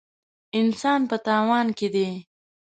انسان په تاوان کې دی.